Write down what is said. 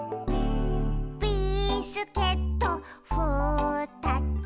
「ビスケットふたつ」